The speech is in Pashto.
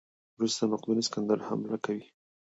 وروسته مقدوني سکندر حمله کوي.